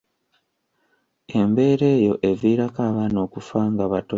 Embeera eyo eviirako abaana okufa nga bato.